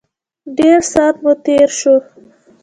ډېر سات مو تېر شو.